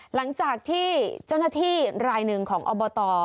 หลังจากที่เจ้าหน้าที่รายหนึ่งของอบต